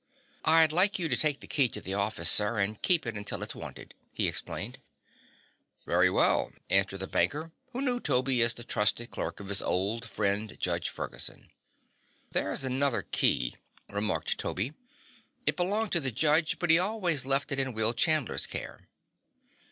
"I'd like you to take the key to the office, sir, and keep it until it's wanted," he explained. "Very well," answered the banker, who knew Toby as the trusted clerk of his old friend Judge Ferguson. "There's another key," remarked Toby. "It belonged to the judge, but he always left it in Will Chandler's care."